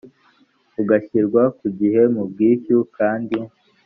ugashyirwa ku gihe mu bwishyu kandi